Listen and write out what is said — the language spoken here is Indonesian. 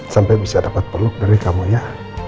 sampai bisa dapat peluk dari kamu ya